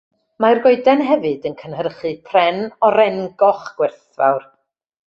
Mae'r goeden hefyd yn cynhyrchu pren oren-goch gwerthfawr.